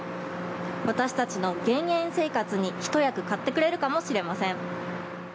私たちの減塩生活に一役買ってくれるかもしれません。